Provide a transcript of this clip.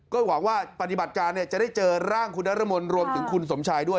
ก็หวังว่าปฏิบัติการจะได้เจอร่างคุณนรมนรวมถึงคุณสมชายด้วย